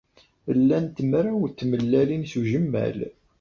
Llant mraw n tmellalin s ujemmal.